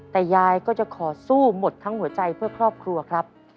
แต่ยายก็จะขอสู้หมดทั้งหัวใจเพื่อครอบครัวครับ